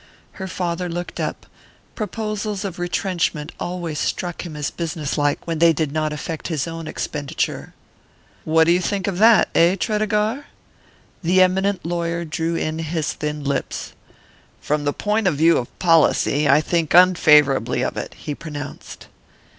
Her father looked up: proposals of retrenchment always struck him as business like when they did not affect his own expenditure. "What do you think of that, eh, Tredegar?" The eminent lawyer drew in his thin lips. "From the point of view of policy, I think unfavourably of it," he pronounced.